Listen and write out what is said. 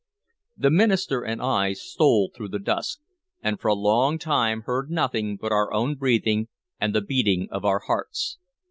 The minister and I stole through the dusk, and for a long time heard nothing but our own breathing and the beating of our hearts.